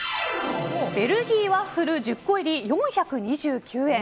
ベルギーワッフル１０個入り４２９円。